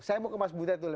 saya mau ke mas butet dulu